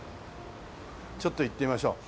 ちょっと行ってみましょう。